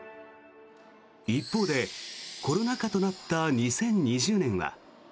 一方でコロナ禍となった２０２０年は。